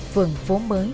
phường phố mới